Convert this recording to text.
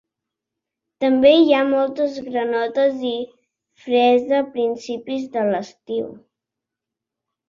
També hi ha moltes granotes i fresa a principis de l'estiu.